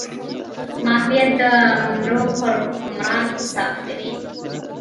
ماهویه د مرو پر حکمران حساب کوي.